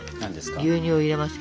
牛乳を入れますけど。